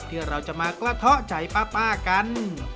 ที่เราจะมากระเทาะใจป้ากัน